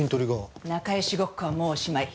仲良しごっこはもうおしまい。